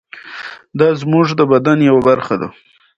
دا زموږ د بدن یوه برخه ده.